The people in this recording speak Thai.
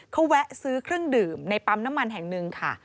เขาแวะซื้อเครื่องดื่มในปั๊มน้ำมันแห่งหนึ่งค่ะ